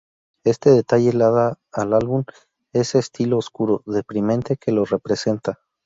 Este detalle le da al álbum ese estilo oscuro, deprimente, que lo representa.